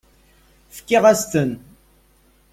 Fkiɣ-as-ten.